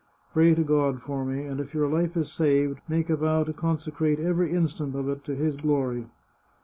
Pray to God for me, and if your life is saved, make a vow to consecrate every instant of it to his glory.